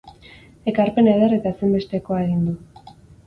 Ekarpen eder eta ezinbestekoa egin du.